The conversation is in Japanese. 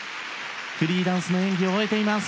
フリーダンスの演技を終えています。